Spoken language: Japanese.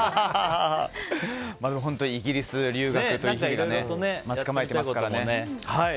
でも、本当にイギリス留学が待ち構えてますから。